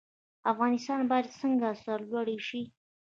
افغانستان باید څنګه سرلوړی شي؟